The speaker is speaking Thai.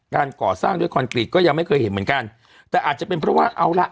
การก่อสร้างด้วยคอนกรีตก็ยังไม่เคยเห็นเหมือนกันแต่อาจจะเป็นเพราะว่าเอาล่ะ